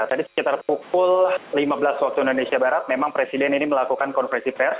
tadi sekitar pukul lima belas waktu indonesia barat memang presiden ini melakukan konferensi pers